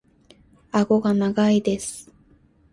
顎が長いです。